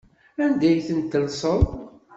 Anda ay tent-tellseḍ?